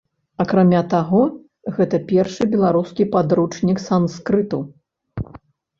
Акрамя таго, гэта першы беларускі падручнік санскрыту.